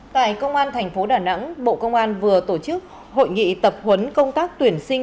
tại công an thành phố đà nẵng bộ công an vừa tổ chức hội nghị tập huấn công tác tuyển sinh